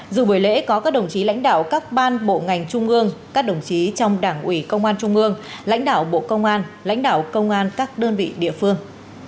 dù buổi lễ có các đồng chí lãnh đạo các ban bộ ngành trung ương các đồng chí trong đảng ủy công an trung ương lãnh đạo bộ công an lãnh đạo công an các đơn vị địa phương